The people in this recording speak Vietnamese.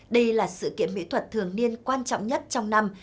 đây là sự kiện mỹ thuật thường niên quan trọng nhất trong năm